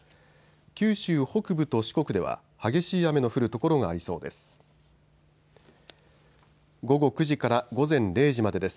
九州北部と四国では激しい雨の降る所がありそうです。